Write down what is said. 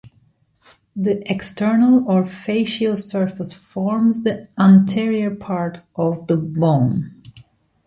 The external or facial surface forms the anterior part of the bone.